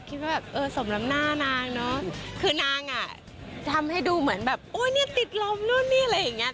คิดว่าแบบเออสมน้ำหน้านางเนอะคือนางอ่ะทำให้ดูเหมือนแบบอุ๊ยเนี่ยติดลมนู่นนี่อะไรอย่างเงี้